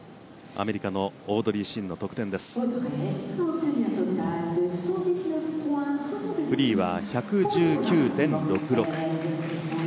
アメリカのオードリー・シンの得点、フリーは１１９．６６。